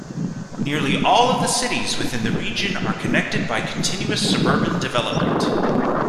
Nearly all of the cities within the region are connected by continuous suburban development.